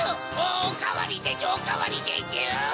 おかわりでちゅおかわりでちゅ！